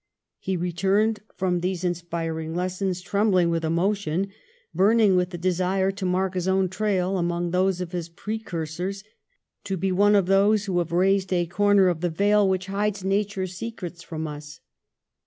He returned from these inspiring lessons, trembling with emo tion, burning with the desire to mark his own trail among those of his precursors, to be one of those who have raised a corner of the veil 18 PASTEUR which hides nature's secrets from us.